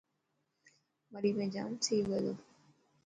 مري ۾ جام سي هئي ٿو.